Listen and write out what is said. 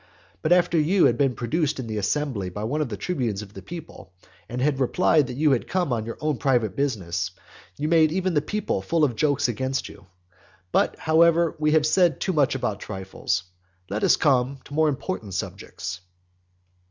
But after you had been produced in the assembly by one of the tribunes of the people, and had replied that you had come on your own private business, you made even the people full of jokes against you. But, however, we have said too much about trifles. Let us come to more important subjects.